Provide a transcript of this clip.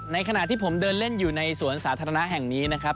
ขณะที่ผมเดินเล่นอยู่ในสวนสาธารณะแห่งนี้นะครับ